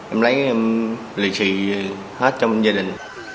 em lấy lì trì hết trong gia đình